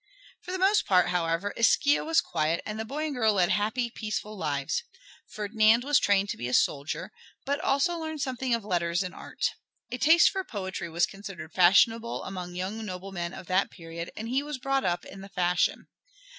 For the most part, however, Ischia was quiet and the boy and girl led happy, peaceful lives. Ferdinand was trained to be a soldier, but also learned something of letters and art. A taste for poetry was considered fashionable among young noblemen of that period and he was brought up in the fashion.